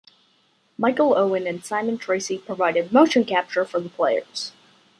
Michael Owen and Simon Tracey provided motion capture for the players.